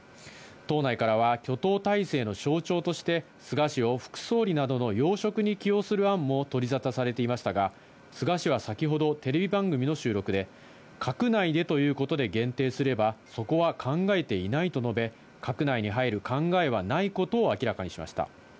党内からは、挙党態勢の象徴として、菅氏を副総理などの要職に起用する案も取り沙汰されていましたが、菅氏は先ほど、テレビ番組の収録で、閣内でということで限定すれば、そこは考えていないと述べ、閣内に入る考えはないことを明らかにしました。